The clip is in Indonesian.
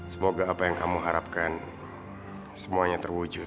semoga apa yang kamu harapkan semuanya terwujud